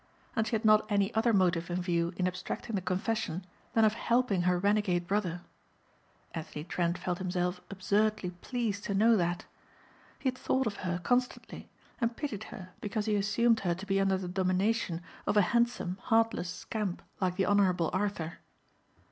And she had not any other motive in view in abstracting the confession than of helping her renegade brother. Anthony Trent felt himself absurdly pleased to know that. He had thought of her constantly and pitied her because he assumed her to be under the domination of a handsome heartless scamp like the Honourable Arthur.